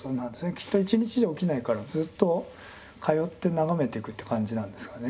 きっと１日じゃ起きないからずっと通って眺めていくっていう感じなんですかね。